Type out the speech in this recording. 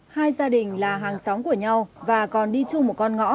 hai gia đình là hàng xóm của nhau và còn đi chung một con ngõ